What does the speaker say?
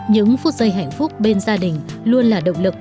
những phút giây hạnh phúc bên gia đình luôn là động lực